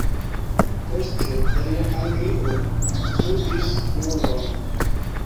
Poste en Anglio studis juron.